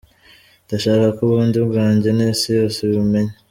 Ndashaka ko ububi bwanjye n’isi yose ibumenya.